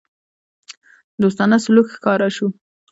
دوستانه سلوک ښکاره شو.